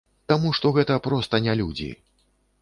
Таму што гэта проста не людзі.